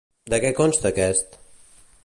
De què consta aquest?